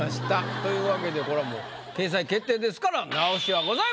というわけでこれはもう掲載決定ですから直しはございません。